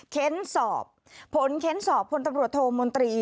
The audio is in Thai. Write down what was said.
เค้นสอบผลเค้นสอบพลตำรวจโทมนตรี